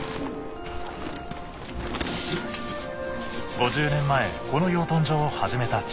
５０年前この養豚場を始めた父。